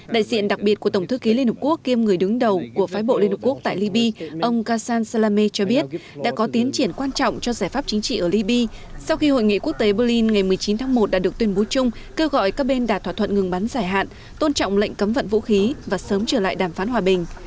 đại diện đặc biệt của tổng thư ký liên hợp quốc kiêm người đứng đầu của phái bộ liên hợp quốc tại liby ông kassan salahe cho biết đã có tiến triển quan trọng cho giải pháp chính trị ở libya sau khi hội nghị quốc tế berlin ngày một mươi chín tháng một đã được tuyên bố chung kêu gọi các bên đạt thỏa thuận ngừng bắn giải hạn tôn trọng lệnh cấm vận vũ khí và sớm trở lại đàm phán hòa bình